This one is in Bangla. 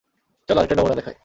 চলো আরেকটা নমুনা দেখাই।